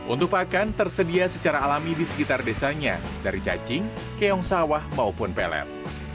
untuk pakan tersedia secara alami di sekitar desanya dari cacing keong sawah maupun pelet